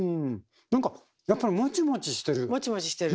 何かやっぱりモチモチしてる？